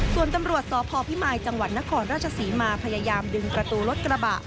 ส่วนตำรวจสพพิมายจังหวัดนครราชศรีมาพยายามดึงประตูรถกระบะ